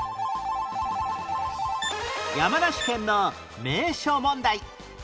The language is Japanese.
山梨県の名所問題